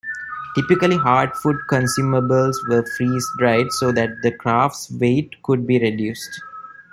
Typically, hard-food consumables were freeze dried so that the craft's weight could be reduced.